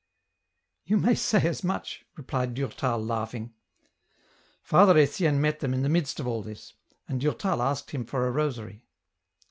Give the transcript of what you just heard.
" You may say as much," replied Durtal, laughing. Father Etienne met them in the midst of all this, and Durtal asked him for a rosary.